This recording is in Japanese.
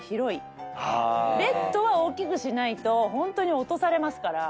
ベッドは大きくしないとホントに落とされますから。